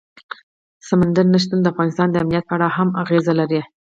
سمندر نه شتون د افغانستان د امنیت په اړه هم اغېز لري.